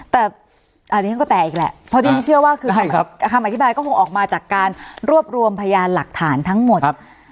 แต่อันนี้ฉันก็แตกอีกแหละเพราะที่ฉันเชื่อว่าคือคำอธิบายก็คงออกมาจากการรวบรวมพยานหลักฐานทั้งหมด